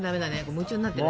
夢中になってるね。